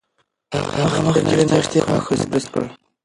هغه مخکې له ناشتې غاښونه برس کړل.